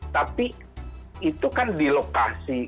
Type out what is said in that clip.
tapi itu kan di lokasi